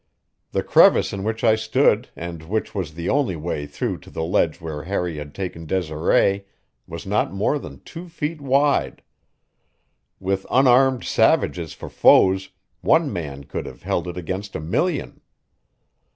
The crevice in which I stood and which was the only way through to the ledge where Harry had taken Desiree, was not more than two feet wide. With unarmed savages for foes, one man could have held it against a million.